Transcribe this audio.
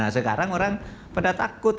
sekarang orang pada takut